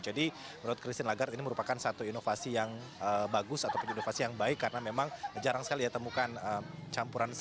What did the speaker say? jadi menurut christine lagarde ini merupakan satu inovasi yang bagus atau inovasi yang baik karena memang jarang sekali dia temukan campuran sampah